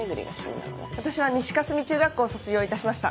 私は西霞中学校を卒業いたしました。